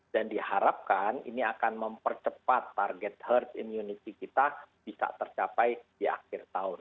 dan diharapkan ini akan mempercepat target herd immunity kita bisa tercapai di akhir tahun